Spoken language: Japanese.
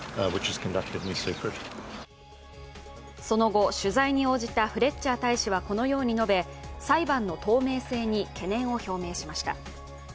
その後、取材に応じたフレッチャー大使はこのように述べ裁判の透明性に懸念を表明しました。